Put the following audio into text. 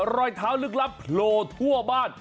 รอยเท้าลึกลับโผล่ทั่วบ้าน